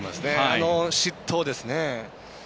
あの失投ですね。